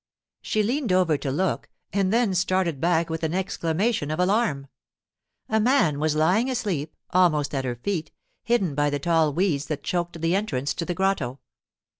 She leaned over to look, and then started back with an exclamation of alarm. A man was lying asleep, almost at her feet, hidden by the tall weeds that choked the entrance to the grotto.